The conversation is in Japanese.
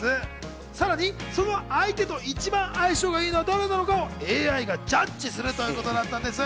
さらに、その相手と一番相性が良いのは誰なのかをＡＩがジャッジするということになったんです。